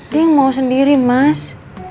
dia yang mau sendiri mas